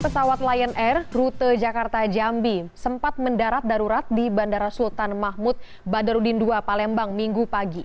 pesawat lion air rute jakarta jambi sempat mendarat darurat di bandara sultan mahmud badarudin ii palembang minggu pagi